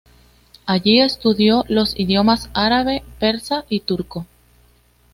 Allí estudió los idiomas árabe, persa y turco.